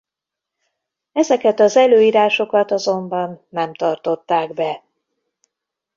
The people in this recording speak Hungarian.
Ezeket az előírásokat azonban nem tartották be.